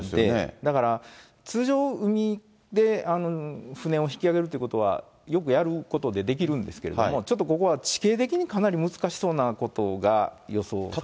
だから、通常、海で船を引き揚げるということは、よくやることで、できるんですけども、ちょっとここは地形的にかなり難しそうなことが予想されます。